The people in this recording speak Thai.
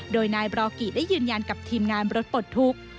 โดยนายบรอกิได้ยืนยันกับทีมงานรถปลดทุกข์